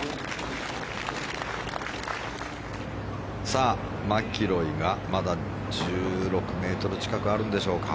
さあ、マキロイが、まだ１６ｍ近くあるんでしょうか。